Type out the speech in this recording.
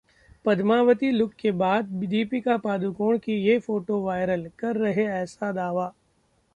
Padmavati look के बाद दीपिका पादुकोण की ये फोटो वायरल, कर रहे ऐसा दावा